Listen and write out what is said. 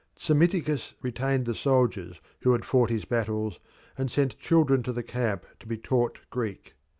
Psammiticus retained the soldiers who had fought his battles, and sent children to the camp to be taught Greek.